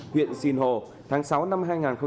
huyện sìn hồ tháng sáu năm hai nghìn hai mươi hai